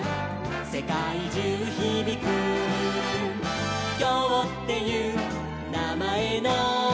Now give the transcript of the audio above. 「せかいじゅうひびく」「きょうっていうなまえの」